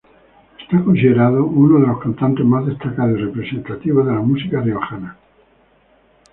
Está considerado uno de los cantantes más destacados y representativos de la música riojana.